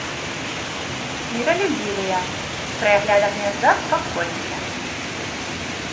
Міралюбівыя, пры аглядах гнязда спакойныя.